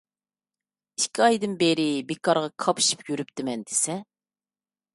ئىككى ئايدىن بېرى بىكارغا كاپشىپ يۈرۈپتىمەن دېسە.